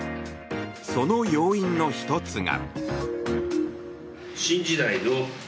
その要因の１つが。